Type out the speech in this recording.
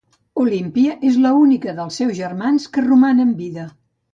Olímpia és l'única dels seus germans que roman amb vida.